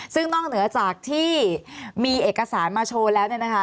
ซึ่งนอกเหนือจากที่มีเอกสารมาโชว์แล้วเนี่ยนะคะ